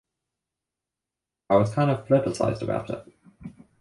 I was kind of politicized about it.